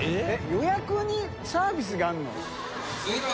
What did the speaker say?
予約にサービスがあるの？